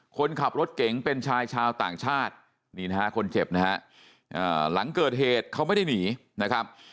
คนขับรถเก๋งเป็นชายชาวต่างชาตินี่นะฮะคนเจ็บนะฮะหลังเกิดเหตุเขาไม่ได้หนีนะครับ